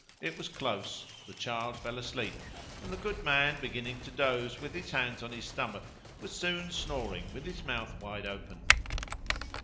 It was close, the child fell asleep, and the good man, beginning to doze with his hands on his stomach, was soon snoring with his mouth wide open.